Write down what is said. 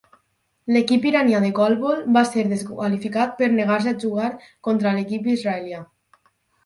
L'equip iranià de golbol va ser desqualificat per negar-se a jugar contra l'equip israelià.